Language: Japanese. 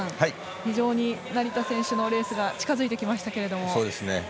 非常に成田選手のレースが近づいてきましたけども。